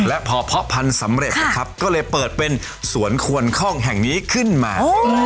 และพอเพาะพันธุ์สำเร็จนะครับก็เลยเปิดเป็นสวนควนคล่องแห่งนี้ขึ้นมา